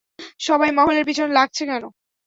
সবাই মহলের পিছনে লাগছে কেন?